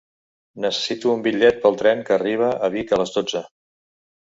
Necessito un bitllet pel tren que arriba a Vic a les dotze.